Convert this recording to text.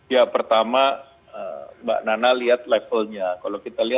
ya pertama mbak nana lihat levelnya